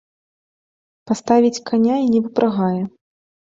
Паставіць каня і не выпрагае.